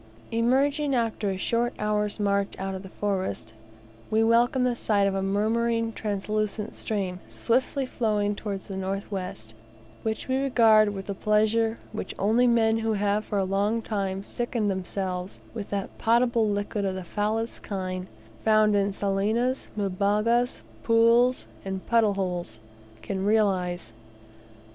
Emerging after a short hour's march out of the forest, we welcome the sight of a murmuring translucent stream, swiftly flowing towards the north west, which we regard with the pleasure which only men who have for a long time sickened themselves with that potable liquid of the foulest kind, found in salinas, mbugas, pools, and puddle holes, can realize.